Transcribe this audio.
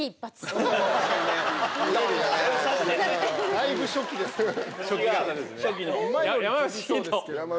だいぶ初期です。